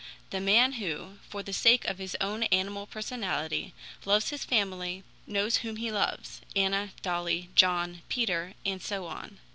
The man who, for the sake of his own animal personality, loves his family, knows whom he loves: Anna, Dolly, John, Peter, and so on.